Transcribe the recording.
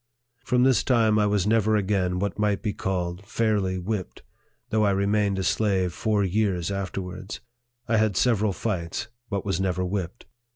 From this time I was never again what might be called fairly whipped, though I remained a slave four years afterwards. I had several fights, but was never whipped.